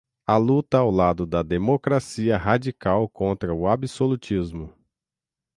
a luta ao lado da democracia radical contra o absolutismo